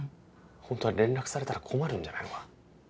ホントは連絡されたら困るんじゃないのか？